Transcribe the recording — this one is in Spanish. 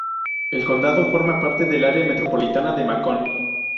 El condado forma parte del área metropolitana de Macon.